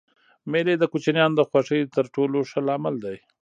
مېلې د کوچنيانو د خوښۍ تر ټولو ښه لامل دئ.